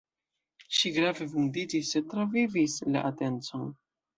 Ŝi grave vundiĝis, sed travivis la atencon.